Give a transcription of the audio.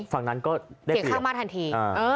ฝั่งนั้นก็ได้เสีย